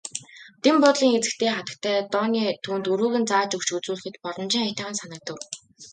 Дэн буудлын эзэгтэй хатагтай Дооне түүнд өрөөг нь зааж өгч үзүүлэхэд боломжийн аятайхан санагдав.